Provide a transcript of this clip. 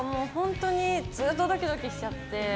ずっとドキドキしちゃって。